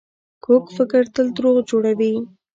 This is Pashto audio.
کوږ فکر تل دروغ جوړوي